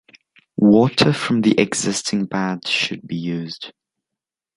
Water from the existing pad should be used.